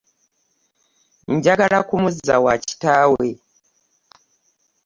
Njagala kumuzza wa kitaawe.